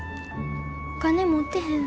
お金持ってへん。